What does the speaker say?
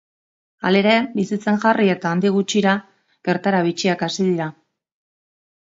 Halere, bizitzen jarri eta handik gutxira, gertaera bitxiak hasi dira.